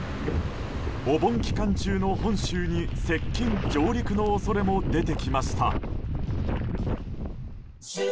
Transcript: お盆期間中の本州に接近・上陸の恐れも出てきました。